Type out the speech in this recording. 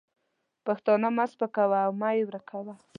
پښتانه مه سپکوه او مه یې ورکوه.